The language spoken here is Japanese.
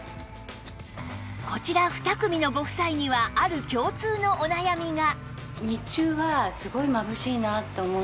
こちら２組のご夫妻にはある共通のお悩みが